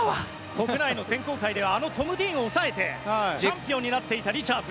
国内の選考会ではあのトム・ディーンを抑えてチャンピオンになっていたリチャーズ。